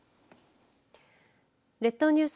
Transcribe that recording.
列島ニュース